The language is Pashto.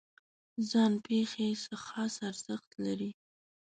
ځان پېښې څه خاص ارزښت لري؟